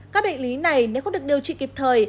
các bệnh lý này nếu không được điều trị kịp thời